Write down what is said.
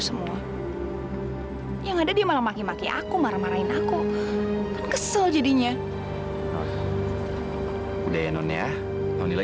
semoga sita selalu berada dalam lindunganmu ya allah